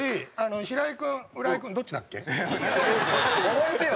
覚えてよ！